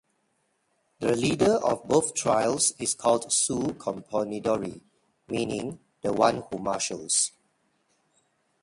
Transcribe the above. The leader of both trials is called "Su Componidori", meaning "the one who marshals".